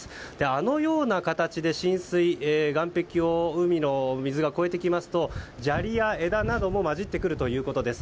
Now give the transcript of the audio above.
あのような形で岸壁を海の水が越えてきますと砂利や枝なども交じってくるということです。